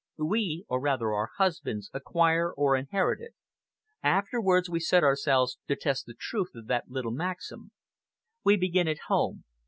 We, or rather our husbands, acquire or inherit it; afterwards we set ourselves to test the truth of that little maxim. We begin at home.